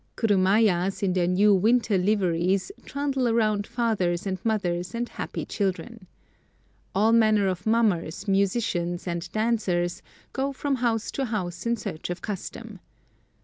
Kurumayas in their new winter liveries trundle around fathers and mothers and happy children. All manner of mummers, musicians, and dancers go from house to house in search of custom.